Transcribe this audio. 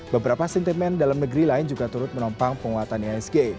beberapa sentimen dalam negeri lain juga turut menopang penguatan ihsg